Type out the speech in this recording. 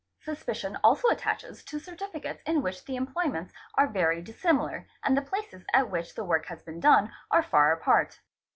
: Suspicion also attaches to certificates in which the employments are very dissimilar and the places at which the work has been done are far ) apart.